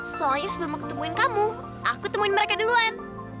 soalnya sebelum aku ketemuin kamu aku ketemuin mereka duluan